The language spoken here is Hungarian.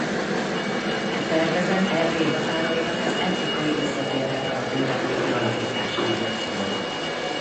E tervezet Erdély határainak az etnikai összetételt alapul vevő kialakításáról szólt.